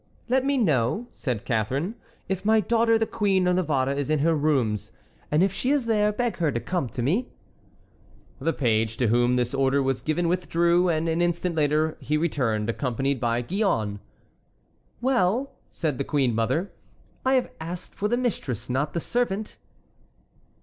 "Let me know," said Catharine, "if my daughter the Queen of Navarre is in her rooms; and if she is there, beg her to come to me." The page to whom this order was given withdrew, and an instant later he returned, accompanied by Gillonne. "Well!" said the queen mother, "I asked for the mistress, not the servant."